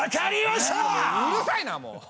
うるさいなもう！